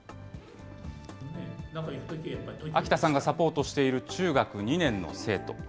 秋田さんがサポートしている中学２年の生徒。